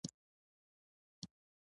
زه لازمه نه بولم چې ټولي خبرې تکرار کړم.